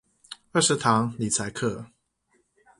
二十堂理財課